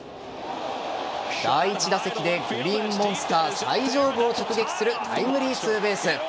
第１打席でグリーンモンスター最上部を直撃するタイムリーツーベース。